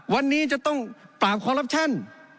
วันนี้จะต้องปราบคอลลับชั่น